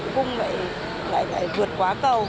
cũng lại vượt quá cầu